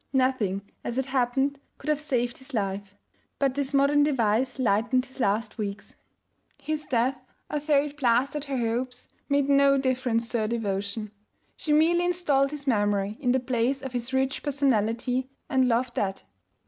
Nothing, as it happened, could have saved his life, but this modern device lightened his last weeks. His death, although it blasted her hopes, made no difference to her devotion. She merely installed his memory in the place of his rich personality and loved that.